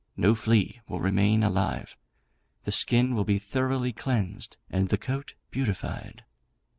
No flea will remain alive; the skin will be thoroughly cleansed, and the coat beautified.